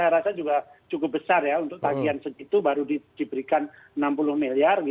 masa juga cukup besar ya untuk tagian segitu baru diberikan enam puluh miliar